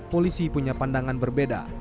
polisi punya pandangan berbeda